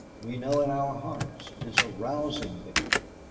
We know in our hearts it is a rousing victory.